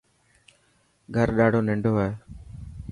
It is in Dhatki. گھر ڏاڌو ننڊ هي.